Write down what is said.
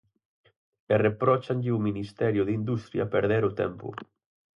E repróchanlle ao Ministerio de Industria perder o tempo.